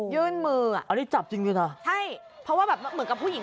ยื่นมืออ่ะอันนี้จับจริงเลยค่ะใช่เพราะว่าแบบเหมือนกับผู้หญิง